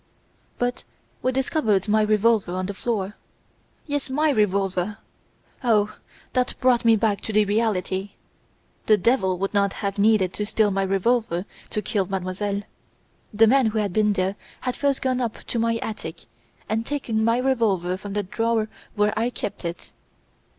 "'But we discovered my revolver on the floor! Yes, my revolver! Oh! that brought me back to the reality! The Devil would not have needed to steal my revolver to kill Mademoiselle. The man who had been there had first gone up to my attic and taken my revolver from the drawer where I kept it.